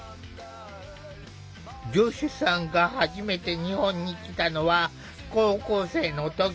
ジョシュさんが初めて日本に来たのは高校生の時。